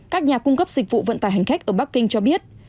các nhà cung cấp dịch vụ vận tải hành khách ở bắc kinh cho biết